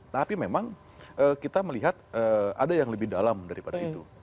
tapi memang kita melihat ada yang lebih dalam daripada itu